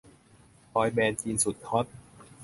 บอยแบนด์จีนสุดฮอต